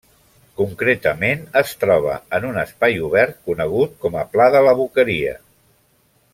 Concretament es troba en un espai obert conegut com a Pla de la Boqueria.